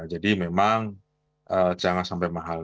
jadi memang jangan sampai mahal